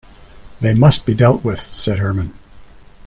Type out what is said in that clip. "They must be dealt with," said Hermann.